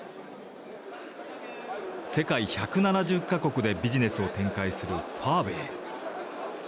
世界１７０か国でビジネスを展開するファーウェイ。